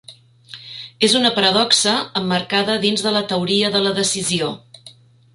És una paradoxa emmarcada dins de la teoria de la decisió.